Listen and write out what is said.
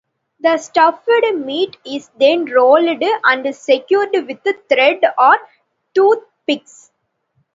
The stuffed meat is then rolled and secured with thread or toothpicks.